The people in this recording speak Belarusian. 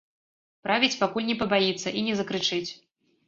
Правіць, пакуль не пабаіцца і не закрычыць.